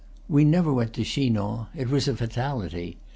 We never went to Chinon; it was a fatality.